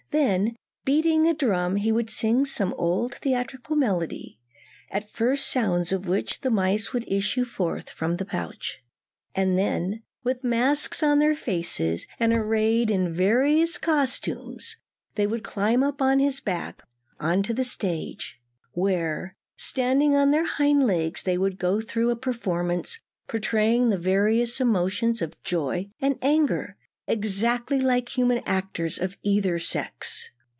Then beating a drum he would sing some old theatrical melody, at the first sounds of which the mice would issue forth from the pouch, and then, with masks on their faces, and arrayed in various costumes, they would climb up his back on to the stage, where standing on their hind legs they would go through a performance portraying the various emotions of joy and anger, exactly like human actors of either sex.